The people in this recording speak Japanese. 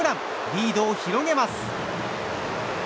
リードを広げます。